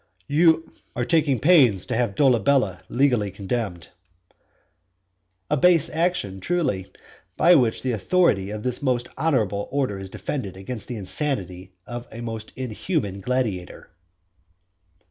"Are taking pains to have Dolabella legally condemned." A base action, truly! by which the authority of this most honourable order is defended against the insanity of a most inhuman gladiator.